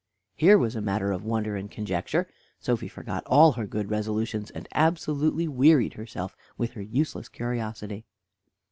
Here was a matter of wonder and conjecture. Sophy forgot all her good resolutions, and absolutely wearied herself with her useless curiosity.